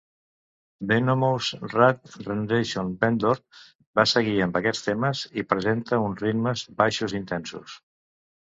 "Venomous Rat Regeneration Vendor" va seguir amb aquests temes, i presenta uns ritmes "baixos intensos".